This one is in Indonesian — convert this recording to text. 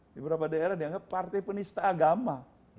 di beberapa daerah dianggap partai penista agama